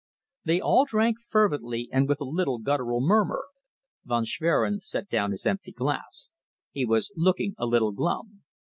'" They all drank fervently and with a little guttural murmur. Von Schwerin set down his empty glass. He was looking a little glum.